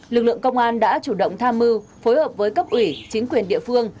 lực lượng công an đã chủ động tham mưu phối hợp với cấp ủy chính quyền địa phương